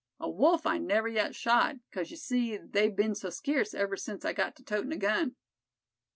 A wolf I never yet shot, 'cause you see, they be'n so skeerce ever sence I got to totin' a gun."